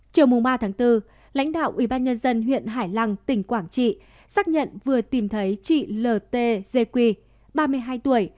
chiều ba bốn lãnh đạo ủy ban nhân dân huyện hải lăng tỉnh quảng trị xác nhận vừa tìm thấy chị l t dê quy ba mươi hai tuổi